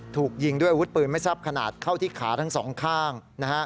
ถูกยิงด้วยอาวุธปืนไม่ทราบขนาดเข้าที่ขาทั้งสองข้าง